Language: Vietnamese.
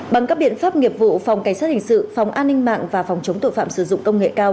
bằng các biện pháp nghiệp vụ phòng cảnh sát hình sự phòng an ninh mạng và phòng chống tội phạm sử dụng công nghệ cao